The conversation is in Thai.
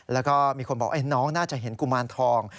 แล้วก็มีคนบอกน้องน่าจะเห็นกุมารทอง